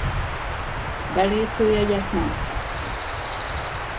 Belépőjegyet nem szedtek.